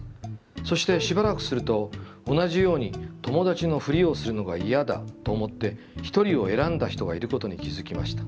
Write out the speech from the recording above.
そして、しばらくすると、同じように『友達のふりをするのがイヤだ』と思って『一人』を選んだ人がいることに気付きました。